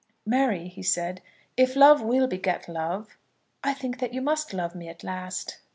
"Mary," he said, "if love will beget love, I think that you must love me at last."